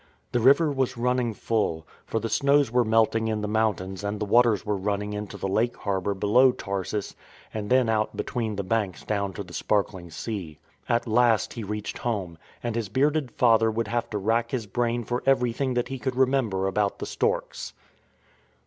The river was running full, for the snows were melting in the mountains and the waters were running into the lake harbour below Tarsus and then out between the banks down to the sparkling sea. At last he reached home, and his bearded father would have to rack his brain for everything that he could remember about the storks.